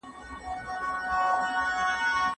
په ولسوالۍ کي د پوهني په برخه کي ډېر کار سوی دی.